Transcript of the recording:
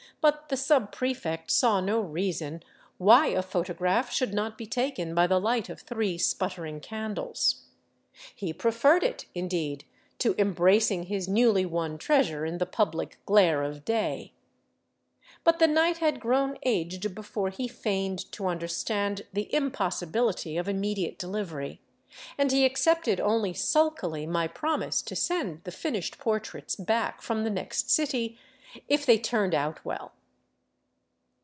But the subprefect saw no reason why a photograph should not be taken by the light of three sputtering candles. He preferred it, 2^6 DRAWBACKS OF THE TRAIL indeed, to embracing his newly won treasure in the public glare of day. But the night had grown aged before he feigned to understand the impossibility of immediate delivery, and he accepted only sulkily my promise to send the finished portraits back from the next city, " if they turned out well."